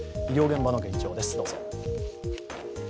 医療現場の現状です。